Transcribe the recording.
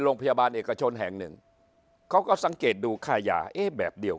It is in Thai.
โรงพยาบาลเอกชนแห่งหนึ่งเขาก็สังเกตดูค่ายาเอ๊ะแบบเดียว